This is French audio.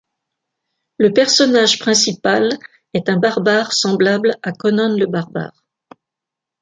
Le personnage principal est un barbare semblable à Conan le barbare.